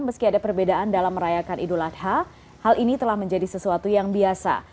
meski ada perbedaan dalam merayakan idul adha hal ini telah menjadi sesuatu yang biasa